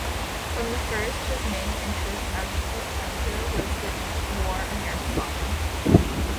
From the first, his main interest as Protector was the war against Scotland.